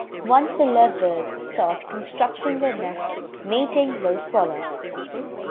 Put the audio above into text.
Once the lovebirds start constructing their nest, mating will follow.